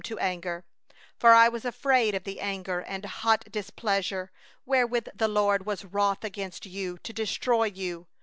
19For I was in dread of the anger and hot displeasure, wherewith the LORD was wroth against you to destroy you.